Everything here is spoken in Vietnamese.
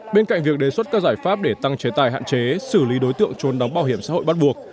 bên cạnh việc đề xuất các giải pháp để tăng chế tài hạn chế xử lý đối tượng trốn đóng bảo hiểm xã hội bắt buộc